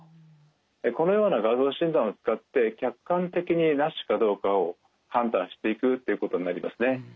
このような画像診断を使って客観的にＮＡＳＨかどうかを判断していくっていうことになりますね。